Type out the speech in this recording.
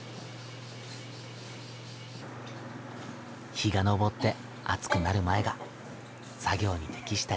日が昇って暑くなる前が作業に適した時間だ。